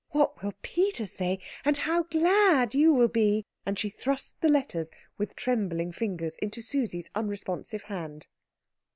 What will Peter say? And how glad you will be " And she thrust the letters with trembling fingers into Susie's unresponsive hand.